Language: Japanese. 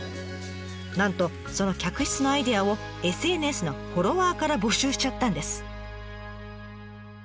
なんとその客室のアイデアをＳＮＳのフォロワーから募集しちゃったんです。